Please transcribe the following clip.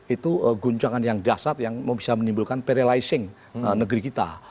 itu guncangan yang dasar yang bisa menimbulkan paralising negeri kita